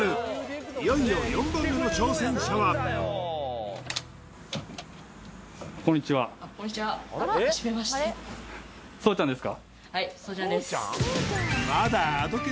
いよいよ４番目の挑戦者はこんにちははいそうちゃんです